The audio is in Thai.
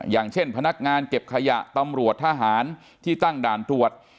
อย่างเช่นพนักงานเก็บขยะตำรวจทหารที่ตั้งด่านตรวจ